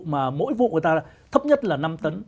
mà mỗi vụ người ta là thấp nhất là năm tấn